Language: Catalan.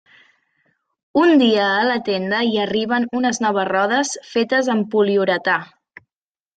Un dia a la tenda hi arriben unes noves rodes fetes amb poliuretà.